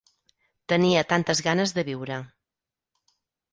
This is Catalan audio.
Tenia tantes ganes de viure.